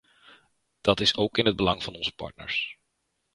Dat is ook in het belang van onze partners.